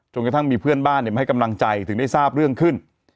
กระทั่งมีเพื่อนบ้านมาให้กำลังใจถึงได้ทราบเรื่องขึ้น